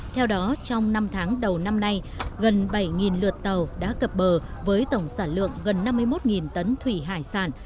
theo đó trong năm tháng đầu năm nay gần bảy lượt tàu đã cập bờ với tổng sản lượng gần năm mươi một tấn thủy hải sản